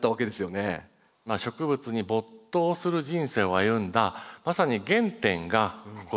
植物に没頭する人生を歩んだまさに原点がここ